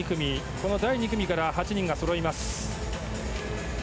この第２組から８人がそろいます。